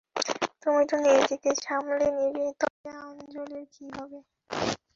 তুমি তো নিজেকে নিজে সামলে নিবে তবে আঞ্জলীর কি হবে?